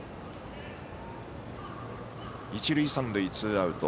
一塁三塁、ツーアウト。